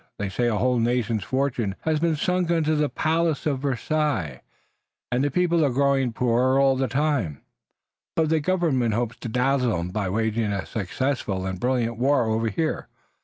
They say a whole nation's fortune has been sunk in the palace at Versailles, and the people are growing poorer all the time, but the government hopes to dazzle 'em by waging a successful and brilliant war over here.